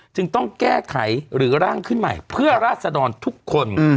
จึงต้องแก้ไขหรือร่างขึ้นใหม่เพื่อราศดรทุกคน